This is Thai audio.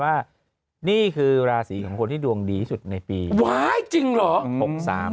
ว่านี่คือราศีของคนที่ดวงดีที่สุดในปีว้ายจริงเหรอ